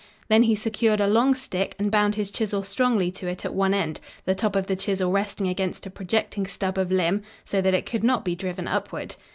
Then he secured a long stick and bound his chisel strongly to it at one end, the top of the chisel resting against a projecting stub of limb, so that it could not be driven upward.